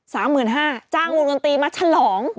สามหมื่นห้าจ้างมูลกรณีมาฉลอง